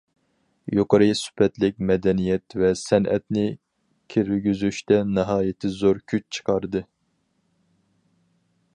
يۇقىرى سۈپەتلىك مەدەنىيەت ۋە سەنئەتنى كىرگۈزۈشتە ناھايىتى زور كۈچ چىقاردى.